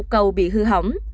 một cầu bị hư hỏng